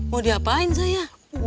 mau diapain saya